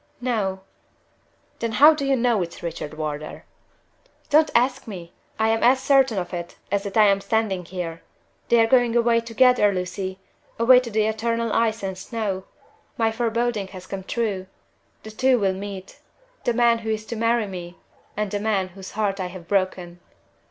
"No." "Then how do you know it's Richard Wardour?" "Don't ask me! I am as certain of it, as that I am standing here! They are going away together, Lucy away to the eternal ice and snow. My foreboding has come true! The two will meet the man who is to marry me and the man whose heart I have broken!"